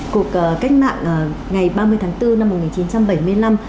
cuộc cách mạng ngày ba mươi tháng bốn năm một nghìn chín trăm bảy mươi năm